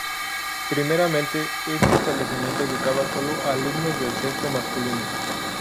Primeramente, este establecimiento educaba sólo a alumnos del sexo masculino.